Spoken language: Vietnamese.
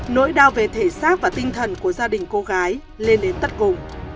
nỗi đau về thể xác và tinh thần của gia đình cô gái lên đến tất cùng